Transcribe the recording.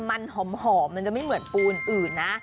มันหอมมันจะไม่เหมือนปูนอื่นนะ